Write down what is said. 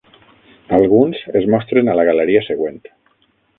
Alguns es mostren a la galeria següent.